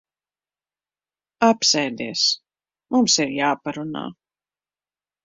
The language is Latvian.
Apsēdies. Mums ir jāparunā.